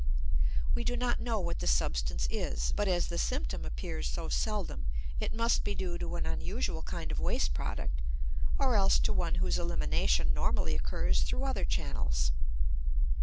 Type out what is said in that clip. We do not know what the substance is, but, as the symptom appears so seldom, it must be due to an unusual kind of waste product or else to one whose elimination normally occurs through other channels.